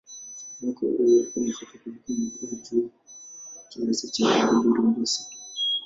Mwaka huo ulikuwa mfupi kuliko mwaka wa jua kiasi cha karibu robo siku.